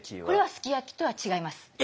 これはすき焼きとは違います。